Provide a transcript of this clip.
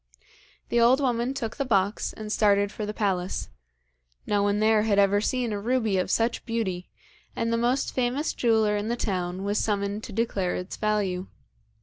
The old woman took the box and started for the palace. No one there had ever seen a ruby of such beauty, and the most famous jeweller in the town was summoned to declare its value.